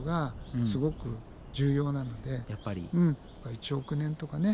１億年とかね